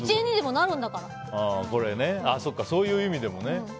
なるほど、そういう意味でもね。